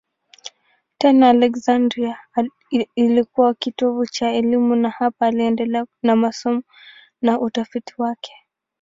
Tena Aleksandria ilikuwa kitovu cha elimu na hapa aliendelea na masomo na utafiti wake.